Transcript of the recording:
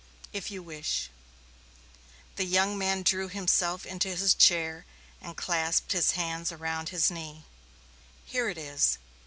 "If you wish." The young man drew himself into his chair and clasped his hands around his knee. "Here it is.